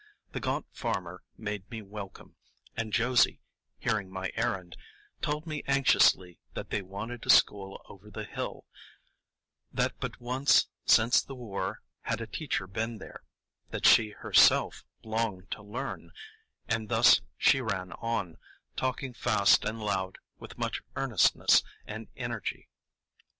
The gaunt farmer made me welcome, and Josie, hearing my errand, told me anxiously that they wanted a school over the hill; that but once since the war had a teacher been there; that she herself longed to learn,—and thus she ran on, talking fast and loud, with much earnestness and energy.